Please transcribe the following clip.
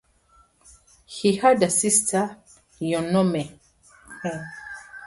He had a sister Laonome.